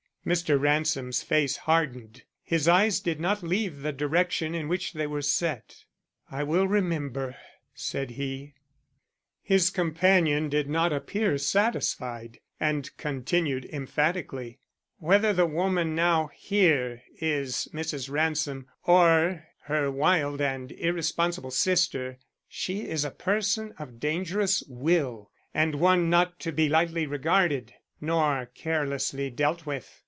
Mr. Ransom's face hardened; his eyes did not leave the direction in which they were set. "I will remember," said he. His companion did not appear satisfied, and continued emphatically: "Whether the woman now here is Mrs. Ransom or her wild and irresponsible sister, she is a person of dangerous will and one not to be lightly regarded nor carelessly dealt with.